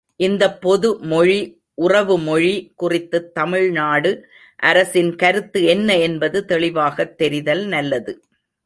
இந்தப் பொதுமொழி உறவு மொழி குறித்துத் தமிழ்நாடு அரசின் கருத்து என்ன என்பது தெளிவாகத் தெரிதல் நல்லது.